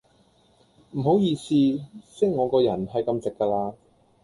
唔好意思,識我個人係咁直架啦.